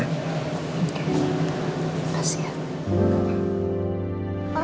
terima kasih ya